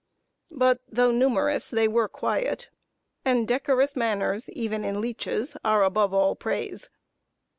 But, though numerous, they were quiet, and decorous manners, even in leeches, are above all praise.